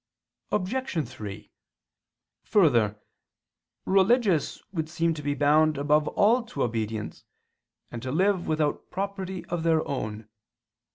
Obj. 3: Further, religious would seem to be bound above all to obedience, and to live without property of their own.